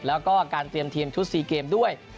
แล้วก็การเตรียมทีมชุด๔เกมด้วย